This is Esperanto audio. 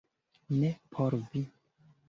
Ne por vi